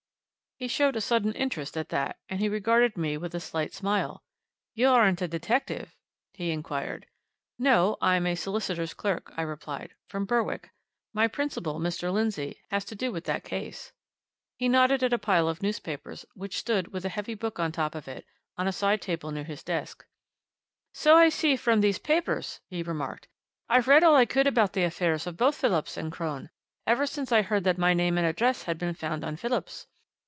He showed a sudden interest at that, and he regarded me with a slight smile. "You aren't a detective?" he inquired. "No I'm a solicitor's clerk," I replied. "From Berwick my principal, Mr. Lindsey, has to do with that case." He nodded at a pile of newspapers, which stood, with a heavy book on top of it, on a side table near his desk. "So I see from these papers," he remarked. "I've read all I could about the affairs of both Phillips and Crone, ever since I heard that my name and address had been found on Phillips.